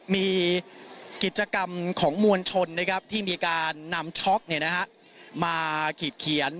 มีกิจกรรมของมวลชนที่มีการนำช็อกมาขีดเขียน